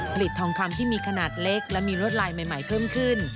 ผลิตทองคำที่มีขนาดเล็กและมีรวดลายใหม่เพิ่มขึ้น